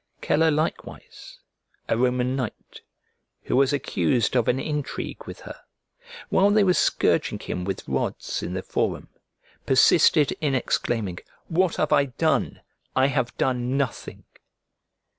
" Celer likewise, a Roman knight, who was accused of an intrigue with her, while they were scourging him with rods in the Forum, persisted in exclaiming, "What have I done? I have done nothing."